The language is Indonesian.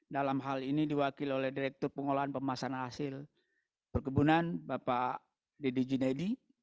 dalam hal ini diwakili oleh direktur pengolahan dan pemasaran hasil perkebunan bapak dedy junaidi